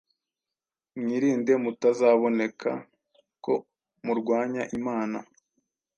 Mwirinde mutazaboneka ko murwanya Imana.